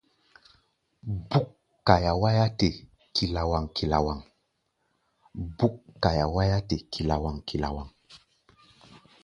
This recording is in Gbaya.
Búk kaia wá̧á̧-te kilawaŋ-kilawaŋ.